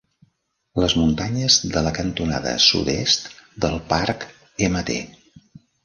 Les muntanyes de la cantonada sud-est del park-Mt.